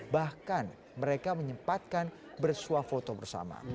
bahkan mereka menyempatkan bersuah foto bersama